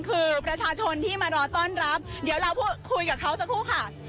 คือประชาชนที่มารอต้อนรับเดี๋ยวเราพูดคุยกับเขาสักครู่ค่ะ